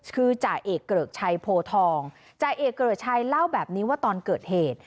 คือจ่าเอกเกริกชัยโพทองจ่าเอกเกริกชัยเล่าแบบนี้ว่าตอนเกิดเหตุ